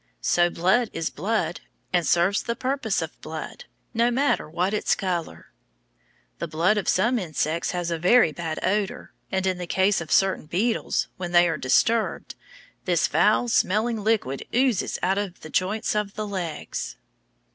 So blood is blood, and serves the purpose of blood, no matter what its color. The blood of some insects has a very bad odor, and in the case of certain beetles, when they are disturbed, this foul smelling liquid oozes out of the joints of the legs.